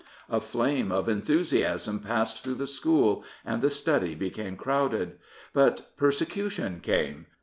A flame of enthusiasm passed through the school, and the study became crowded. But persecution came.